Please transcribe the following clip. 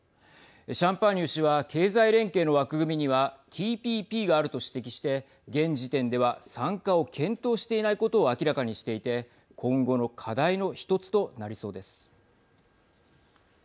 シャンパーニュ氏は経済連携の枠組みにはＴＰＰがあると指摘して現時点では参加を検討していないことを明らかにしていて今後の課題の一つとなりそうです。